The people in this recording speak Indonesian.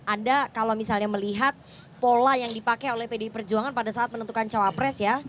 anda kalau misalnya melihat pola yang dipakai oleh pdi perjuangan pada saat menentukan cawapres ya